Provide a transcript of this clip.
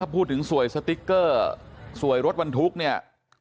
พูดถึงสวยสติ๊กเกอร์สวยรถบรรทุกเนี่ย